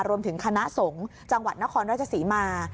รวมถึงคณะสงฆ์จังหวัดนครราชศรีมา